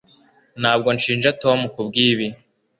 Ntabwo nshinja Tom kubwibi